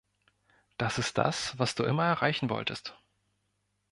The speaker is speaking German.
Das ist das, was du immer erreichen wolltest.